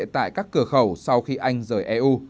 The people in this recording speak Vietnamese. tại các cửa khẩu sau khi anh rời eu